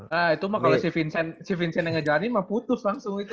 nah itu mah kalau si vincent yang ngejalanin mah putus langsung itu